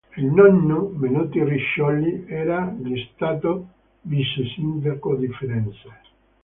Il nonno, Menotti Riccioli, era già stato Vice Sindaco di Firenze.